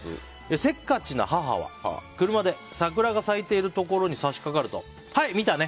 せっかちな母は車で桜が咲いてるところに差し掛かるとはい、見たね？